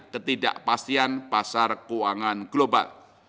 ketidakpastian pasar keuangan global